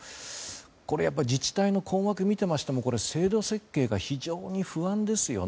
これ自治体の困惑を見てましても制度設計が非常に不安ですよね。